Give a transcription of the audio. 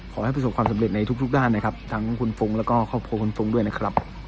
ขอให้ประสบความสำเร็จในทุกด้านนะครับทั้งคุณฟุ้งแล้วก็ครอบครัวคุณฟุ้งด้วยนะครับ